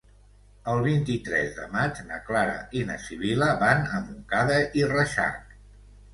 El vint-i-tres de maig na Clara i na Sibil·la van a Montcada i Reixac.